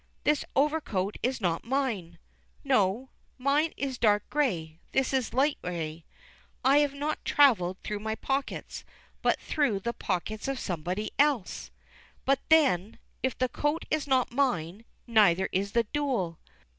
This overcoat is not mine. No, mine is dark grey, this is light grey. I have not travelled through my pockets, but through the pockets of somebody else. But then if the coat is not mine, neither is the duel.